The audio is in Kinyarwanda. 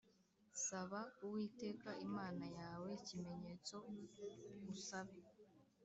Saba Uwiteka Imana yawe ikimenyetso usabe